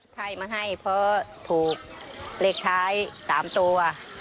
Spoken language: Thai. ให้มาให้เพราะถูกเลขท้าย๓ตัว